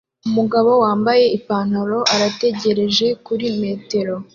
Umugabo wambaye ipantaro arategereje kuri metero